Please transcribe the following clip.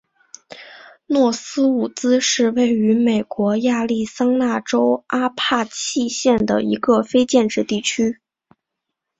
诺斯伍兹是位于美国亚利桑那州阿帕契县的一个非建制地区。